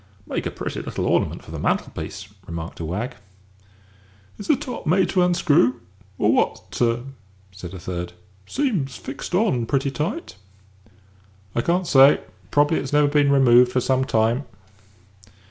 "Make a pretty little ornament for the mantelpiece!" remarked a wag. "Is the top made to unscrew, or what, sir?" asked a third. "Seems fixed on pretty tight." "I can't say. Probably it has not been removed for some time."